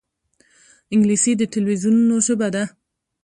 انګلیسي د تلویزونونو ژبه ده